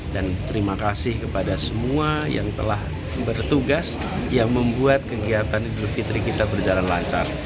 dan terima kasih kepada semua yang telah bertugas yang membuat kegiatan idul fitri kita berjalan lancar